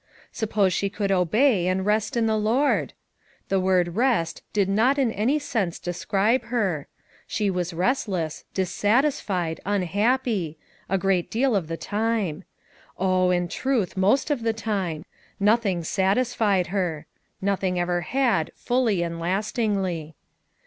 Suppose she could obey and "rest in the Lord?" The word "rest" did not in any sense describe her; she was restless, dissatisfied, unhappy, a great deal of the time ; 134 FOUR MOTHERS AT CHAUTAUQUA oh, in truth most of the time; nothing satisfied her; nothing ever had, fully and lastingly.